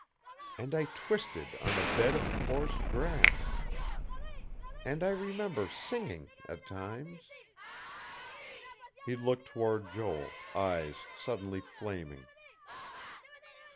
And I twisted on a bed of coarse grass.... And I remember singing, at times...." He looked toward Joel, eyes suddenly flaming.